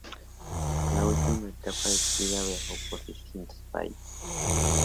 La última etapa de su vida viajó por distintos países.